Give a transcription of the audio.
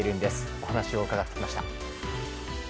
お話を伺ってきました。